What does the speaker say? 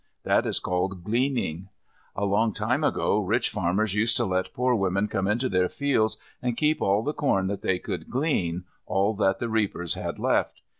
That is called gleaning. A long time ago rich farmers used to let poor women come into their fields and keep all the corn that they could glean, all that the reapers had left.